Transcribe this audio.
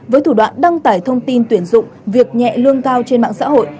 với thủ đoạn đăng tải thông tin tuyển dụng việc nhẹ lương cao trên mạng xã hội